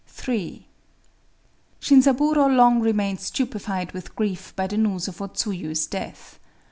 III Shinzaburō long remained stupefied with grief by the news of O Tsuyu's death.